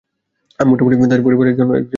আমি মোটামুটি তাঁদের পরিবারের একজন হয়ে গেলাম।